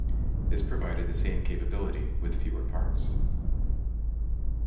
This provided the same capability with fewer parts.